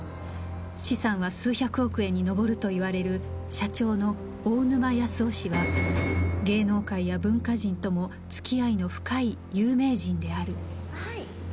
資産は数百億円に上るといわれる社長の大沼安雄氏は芸能界や文化人とも付き合いの深い有名人である